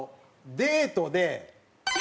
デートで？